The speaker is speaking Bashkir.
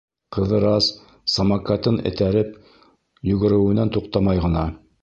Ҡыҙырас «самокат»ын этәреп, йүгереүенән туҡтамай ғына: